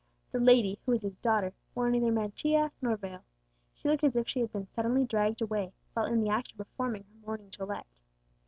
The lady, who was his daughter, wore neither mantilla nor veil; she looked as if she had been suddenly dragged away while in the act of performing her morning toilette.